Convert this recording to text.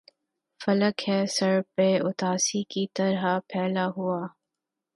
فلک ہے سر پہ اُداسی کی طرح پھیلا ہُوا